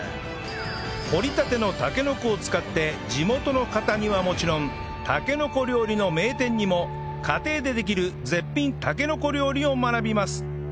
掘りたてのたけのこを使って地元の方にはもちろんたけのこ料理の名店にも家庭でできる絶品たけのこ料理を学びます